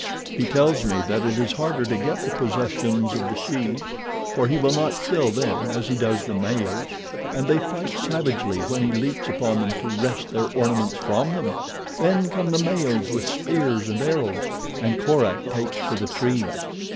He tells me that it is harder to get the possessions of the shes, for he will not kill them as he does the males, and they fight savagely when he leaps upon them to wrest their ornaments from them. Then come the males with spears and arrows and Korak takes to the trees.